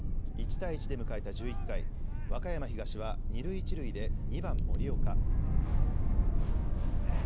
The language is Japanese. １対１で迎えた１１回、和歌山東は二塁一塁で２番・森岡。